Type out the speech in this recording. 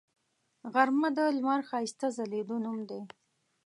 غرمه د لمر ښایسته ځلیدو نوم دی